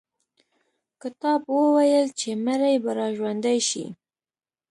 کتاب وویل چې مړي به را ژوندي شي.